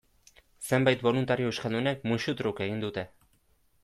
Zenbait boluntario euskaldunek, musu truk, egin dute.